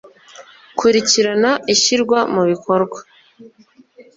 Kurikirana ishyirwa mu bikorwa